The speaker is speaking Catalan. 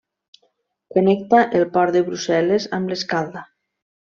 Connecta el port de Brussel·les amb l'Escalda.